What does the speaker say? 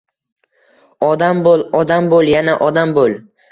Odam bo’l, odam bo’l, yana odam bo’l!